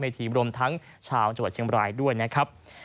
ทีมรวมทั้งชาวจังหวัดเชียงบรายด้วยนะครับ